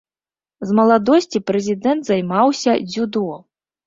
З маладосці прэзідэнт займаўся дзюдо.